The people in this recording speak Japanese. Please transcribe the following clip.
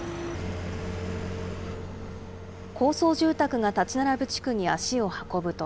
高層住宅が建ち並ぶ地区に足を運ぶと。